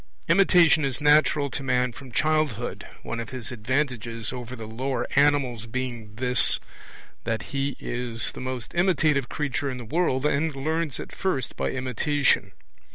Imitation is natural to man from childhood, one of his advantages over the lower animals being this, that he is the most imitative creature in the world, and learns at first by imitation.